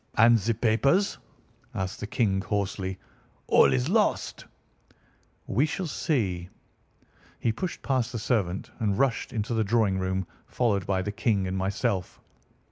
"And the papers?" asked the King hoarsely. "All is lost." "We shall see." He pushed past the servant and rushed into the drawing room, followed by the King and myself.